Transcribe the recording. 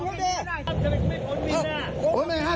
เขาเป็นคนเรียก